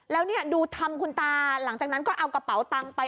แล้วเนี่ยดูทำคุณตาหลังจากนั้นก็เอากระเป๋าตังไป